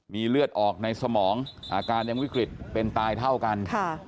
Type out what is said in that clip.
มีเลือดออกในสมองอาการยังวิกฤตเป็นตายเท่ากัน